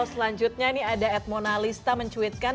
selanjutnya nih ada at monalista mencuitkan